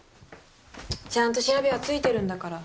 ちゃんと調べはついてるんだから。